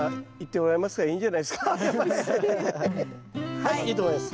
はいいいと思います。